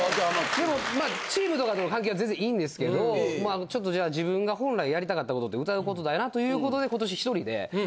でもまあチームとかとの関係は全然良いんですけどちょっとじゃあ自分が本来やりたかった事って歌う事だよなということで。